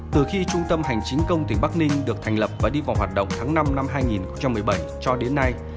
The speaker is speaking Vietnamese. từ khi trung tâm hành chính công tỉnh bắc ninh được thành lập và đi vào hoạt động tháng năm năm hai nghìn một mươi bảy cho đến nay